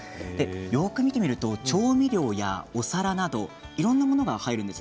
よく見てみると調味料やお皿などいろんなものが入るんです。